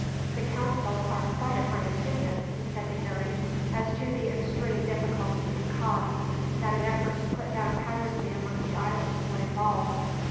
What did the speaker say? "The council are quite of my opinion," he said to Harry, "as to the extreme difficulty and cost that an effort to put down piracy among the islands would involve.